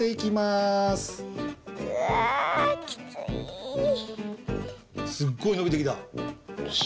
すっごいのびてきた。